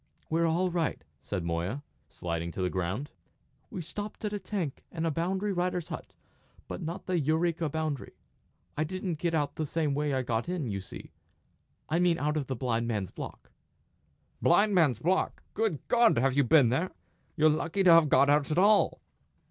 "We're all right," said Moya, sliding to the ground; "we stopped at a tank and a boundary rider's hut, but not the Eureka boundary. I didn't get out the same way I got in, you see I mean out of the Blind Man's Block." "Blind Man's Block! Good God! have you been there? You're lucky to have got out at all!"